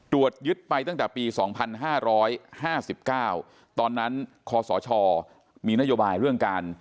ตรวจยึดไปตั้งแต่ปีสองพันห้าร้อยห้าสิบเก้าตอนนั้นคศมีนโยบายเรื่องการ